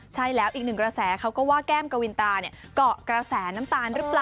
ใช่แล้วอีกหนึ่งกระแสเขาก็ว่าแก้มกวินตราเนี่ยเกาะกระแสน้ำตาลหรือเปล่า